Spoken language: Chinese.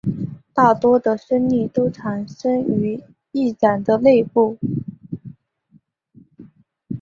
大多的升力都产生于翼展的内部。